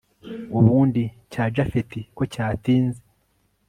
ubundi cya japhet ko cyatinze